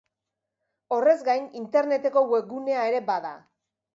Horrez gain, interneteko webgunea ere bada.